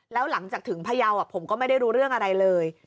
แล้วหลังจากถึงพยาวผมก็ไม่ได้รู้เรื่องอะไรเลย